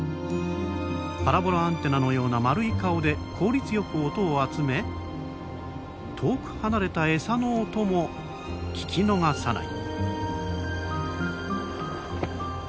パラボラアンテナのような丸い顔で効率よく音を集め遠く離れたエサの音も聞き逃さない。